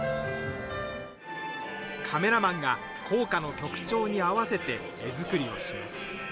カメラマンが校歌の曲調に合わせて絵作りをします。